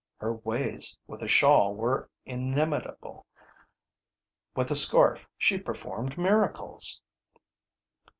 Her ways with a shawl were inimitable. With a scarf she performed miracles.